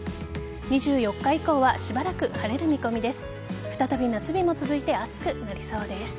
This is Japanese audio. ２４日以降はしばらく晴れる見込みです。